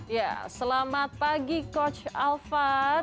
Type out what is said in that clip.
ya selamat pagi coach alphard